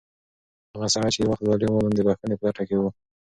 هغه سړی چې یو وخت ظالم و، نن د بښنې په لټه کې و.